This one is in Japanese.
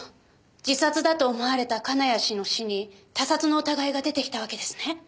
自殺だと思われた金谷氏の死に他殺の疑いが出てきたわけですね。